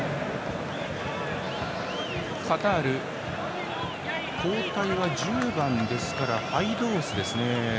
カタール、交代は１０番ですからハイドースですね。